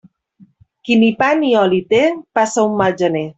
Qui ni pa ni oli té, passa un mal gener.